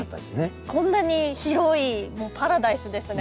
こんなに広いパラダイスですね